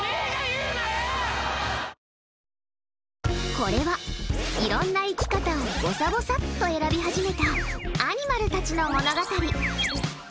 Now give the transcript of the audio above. これは、いろんな生き方をぼさぼさっと選び始めたアニマルたちの物語。